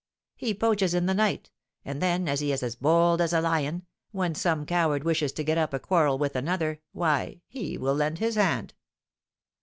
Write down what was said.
"He poaches in the night; and then, as he is as bold as a lion, when some coward wishes to get up a quarrel with another, why, he will lend his hand."